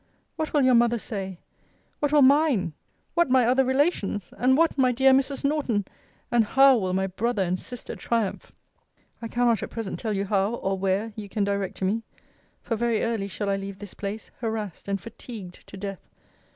what will your mother say? what will mine? what my other relations? and what my dear Mrs. Norton? and how will my brother and sister triumph! I cannot at present tell you how, or where, you can direct to me. For very early shall I leave this place; harassed and fatigued to death.